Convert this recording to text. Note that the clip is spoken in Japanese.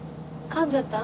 かんじゃった？